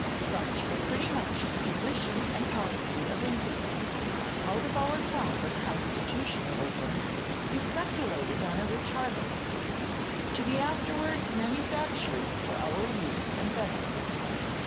Such were pretty much the position and policy of England. Out of our crop of Constitutionalism we speculated on a rich harvest, to be afterwards manufactured for our use and benefit.